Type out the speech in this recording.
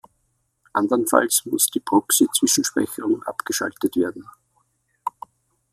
Andernfalls muss die Proxy-Zwischenspeicherung abgeschaltet werden.